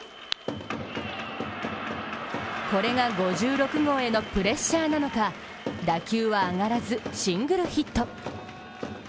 これが５６号へのプレッシャーなのか、打球は上がらず、シングルヒット。